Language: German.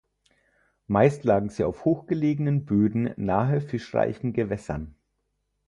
Meist lagen sie auf hochgelegenen Böden nahe fischreichen Gewässern.